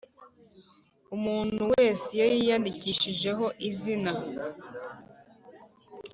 Umuntu wese iyo yiyandikishijeho izina